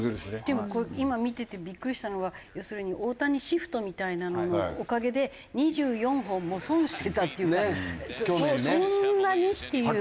でも今見ててビックリしたのは要するに大谷シフトみたいなもののおかげで２４本も損してたっていうからそんなに？っていう。